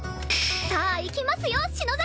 さあ行きますよ篠崎